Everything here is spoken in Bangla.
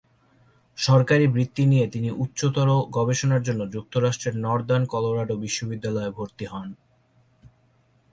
সরকারি বৃত্তি নিয়ে তিনি উচ্চতর গবেষণার জন্য যুক্তরাষ্ট্রের নর্দান কলোরাডো বিশ্ববিদ্যালয়ে ভর্তি হন।